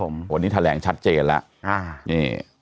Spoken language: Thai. วันนี้แถลงชัดเจนแล้ว